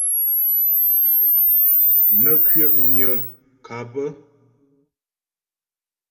Nə́ kwəpnyə́ ŋkâp.